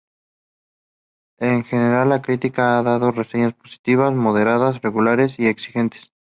En general la crítica ha dado reseñas positivas, moderadas, regulares y exigentes.